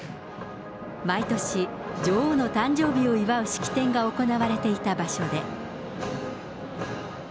毎年、女王の誕生日を祝う式典が行われていた場所で。